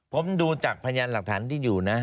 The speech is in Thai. ผมดูจากพยานหลักฐานที่อยู่นะ